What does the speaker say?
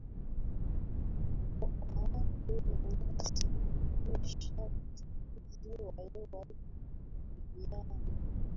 kwa watu binafsi kukomesha uchafuzi wa hewa kivyao